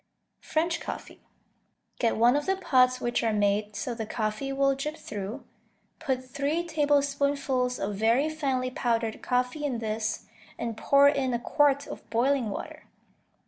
French Coffee Get one of the pots which are made so the coffee will drip through; put three tablespoonfuls of very finely powdered coffee in this, and pour in a quart of boiling water.